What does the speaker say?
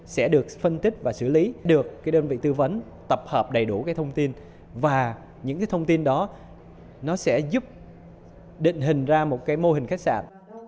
sẽ được phân tích và xử lý được đơn vị tư vấn tập hợp đầy đủ thông tin và những thông tin đó sẽ giúp định hình ra một mô hình khách sạn